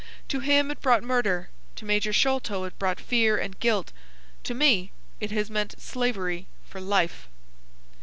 To him it brought murder, to Major Sholto it brought fear and guilt, to me it has meant slavery for life."